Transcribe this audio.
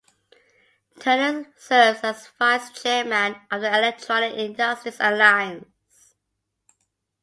Turner serves as Vice Chairman of the Electronic Industries Alliance.